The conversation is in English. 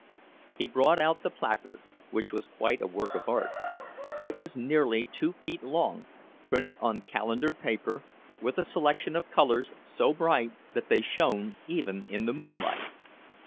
He brought out the placard, which was quite a work of art. It was nearly two feet long, printed on calendered paper, with a selection of colors so bright that they shone even in the moonlight.